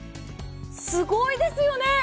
すごいですよね。